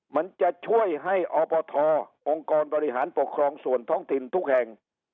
มันจะช่วยให้อบทองค์กรบริหารปกครองส่วนท้องถิ่นทุกแห่ง